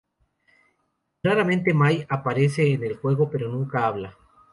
Raramente Mai aparece en el juego, pero nunca habla.